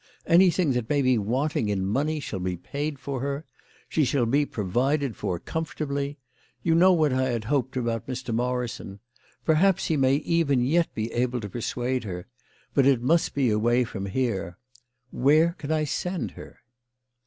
Anything that may be wanting in money shall be paid for her. She shall be provided for comfortably. You know what I had hoped about Mr. Morrison. Perhaps he may even yet be able to persuade her ; but it must be away from here. Where can I send her